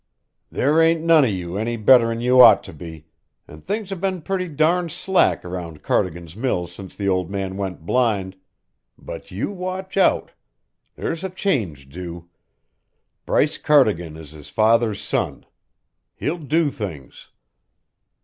"There ain't none o' you any better'n you ought to be, an' things have been pretty durned slack around Cardigan's mill since the old man went blind, but you watch out. There's a change due. Bryce Cardigan is his father's son. He'll do things."